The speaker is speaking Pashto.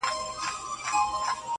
ته خبريې دلته ښخ ټول انسانان دي,